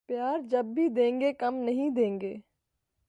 پیار جب بھی دینگے کم نہیں دینگے